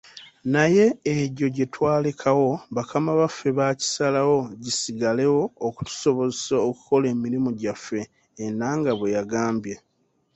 "Naye egyo gyetwalekawo bakama baffe baakisalawo gisigalewo okutusobozesa okukola emirimu gyaffe,” Enanga bweyagambye.